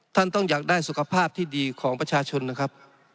ท่านต้องอยากได้สุขภาพที่ดีของประชาชนนะครับ